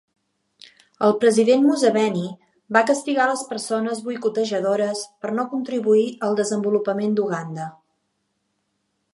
El president Museveni va castigar les persones boicotejadores per "no contribuir al desenvolupament d'Uganda".